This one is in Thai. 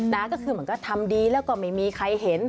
นะก็คือเหมือนก็ทำดีแล้วก็ไม่มีใครเห็น